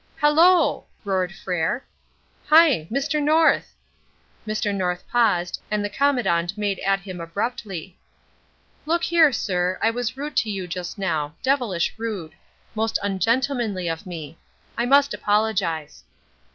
"Halloo!" roared Frere. "Hi! Mr. North!" Mr. North paused, and the Commandant made at him abruptly. "Look here, sir, I was rude to you just now devilish rude. Most ungentlemanly of me. I must apologize."